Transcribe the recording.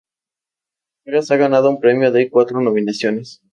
Vagas ha ganado un premio de cuatro nominaciones.